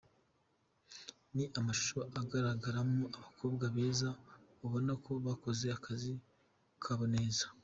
Ni amashusho agaragaramo abakobwa beza ubona ko bakoze akazi kabo neza.